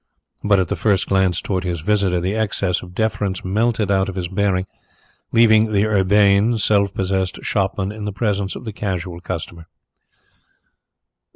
But at the first glance towards his visitor the excess of deference melted out of his bearing, leaving the urbane, self possessed shopman in the presence of the casual customer.